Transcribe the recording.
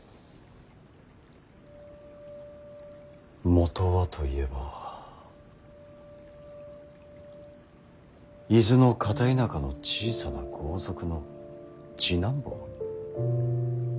元はといえば伊豆の片田舎の小さな豪族の次男坊。